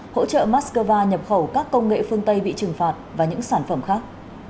hỗ trợ moscow nhập khẩu các công nghệ phương tây bị trừng phạt và những sản phẩm khác